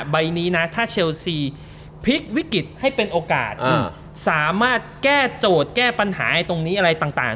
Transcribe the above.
พลิกวิกฤตให้เป็นโอกาสสามารถแก้โจทย์แก้ปัญหาให้ตรงนี้อะไรต่างต่าง